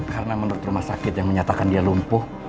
karena menurut rumah sakit yang menyatakan dia lumpuh